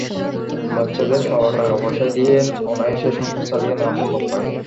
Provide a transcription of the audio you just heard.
বাচ্চাদের পাওয়া টাকা পয়সা দিয়েই অনায়াসে সংসার চালিয়ে নেওয়া সম্ভব হয়।